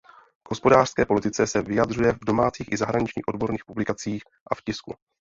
K hospodářské politice se vyjadřuje v domácích i zahraničních odborných publikacích a v tisku.